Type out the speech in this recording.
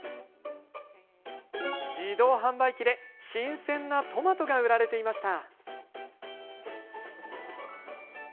自動販売機で、新鮮なトマトが売られていました。